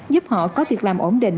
giúp họ có việc làm ổn định